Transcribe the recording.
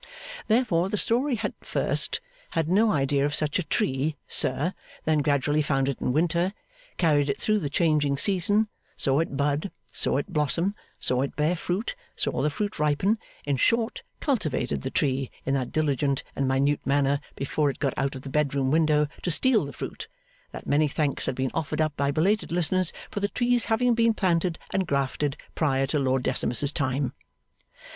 Therefore, the story at first had no idea of such a tree, sir, then gradually found it in winter, carried it through the changing season, saw it bud, saw it blossom, saw it bear fruit, saw the fruit ripen; in short, cultivated the tree in that diligent and minute manner before it got out of the bed room window to steal the fruit, that many thanks had been offered up by belated listeners for the trees having been planted and grafted prior to Lord Decimus's time.